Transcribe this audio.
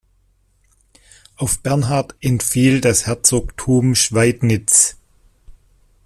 Auf Bernhard entfiel das Herzogtum Schweidnitz.